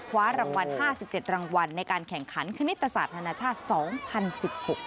ขวารางวัล๕๗รางวัลในการแข่งขันคณิตศาสตร์ธนาชาติ๒๐๑๐นะคะ